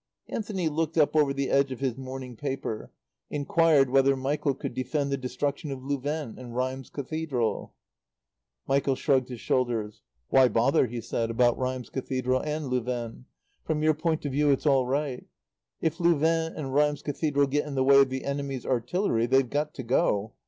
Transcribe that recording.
Anthony looked up over the edge of his morning paper, inquired whether Michael could defend the destruction of Louvain and Rheims Cathedral? Michael shrugged his shoulders. "Why bother," he said, "about Rheims Cathedral and Louvain? From your point of view it's all right. If Louvain and Rheims Cathedral get in the way of the enemy's artillery they've got to go.